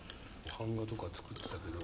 版画とか作ってたけど。